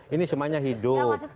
ini semuanya hidup